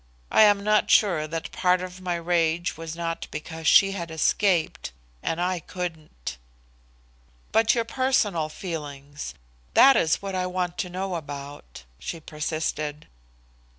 I am not sure that part of my rage was not because she had escaped and I couldn't." "But your personal feelings that is what I want to know about?" she persisted.